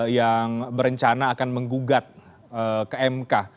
yang berencana akan menggugat ke mk